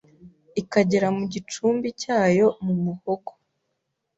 ikagera mu gicumbi cyayo mu muhogo